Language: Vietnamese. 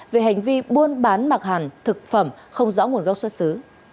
về hành vi buôn bán mặc hàng thực phẩm không rõ nguồn gốc xuất xứ